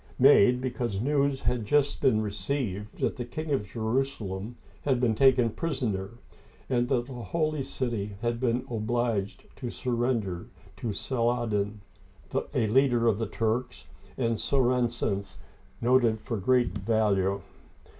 Digitized by VjOOQIC I20 OLD FRANCE because news had just been received that the King of Jeru salem had been taken prisoner, and that the Holy City had been obliged to surrender to SaVadin, a leader of the Turks and Saracens noted for great valor.